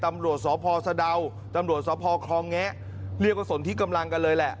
ตำรวจสพสะดาวตำรวจสพคลองแงะเรียกว่าสนที่กำลังกันเลยแหละ